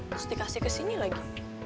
terus dikasih ke sini lagi